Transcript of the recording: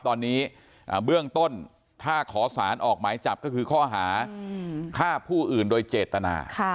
ตอนนี้เบื้องต้นถ้าขอสารออกหมายจับก็คือข้อหาฆ่าผู้อื่นโดยเจตนา